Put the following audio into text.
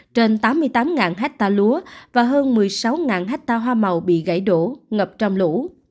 trên tám mươi tám hectare lúa và hơn một mươi sáu hectare hoa màu bị gãy đổ ngập trong lũ